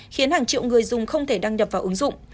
khiến hàng triệu người dùng không thể đăng nhập vào ứng dụng